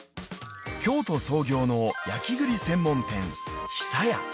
［京都創業の焼き栗専門店］